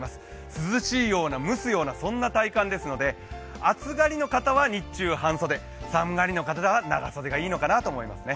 涼しいような蒸すようなそんな体感ですので暑がりの方は日中半袖寒がりの方は長袖がいいのかなと思いますね。